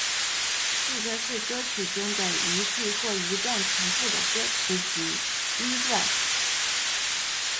副歌是歌曲中一句或一段重复的歌词及音乐段落。